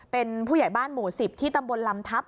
เป็นผู้ใหญ่บ้านหมู่๑๐ที่ตำบลลำทัพ